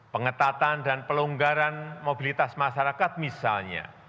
pengetatan dan pelonggaran mobilitas masyarakat misalnya